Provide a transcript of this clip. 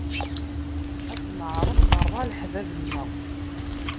Ad d-neɛreḍ merra leḥbab-nneɣ.